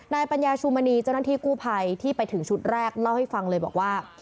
ปัญญาชูมณีเจ้าหน้าที่กู้ภัยที่ไปถึงชุดแรกเล่าให้ฟังเลยบอกว่า